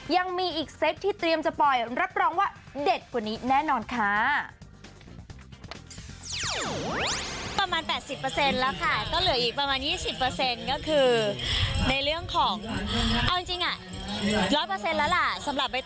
ยังมีอีกเซตที่เตรียมจะปล่อยรับรองว่าเด็ดกว่านี้แน่นอนค่ะ